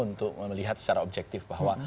untuk melihat secara objektif bahwa